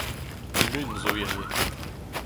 Al Lun zo hiziv.